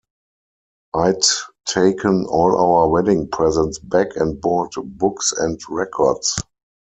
I'd taken all our wedding presents back and bought books and records.